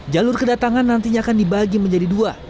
jalur kedatangan nantinya akan dibagi menjadi dua